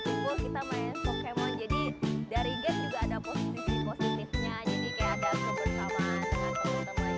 kita main pokemon jadi dari game juga ada posisi positifnya jadi kayak ada kebersamaan dengan temen temen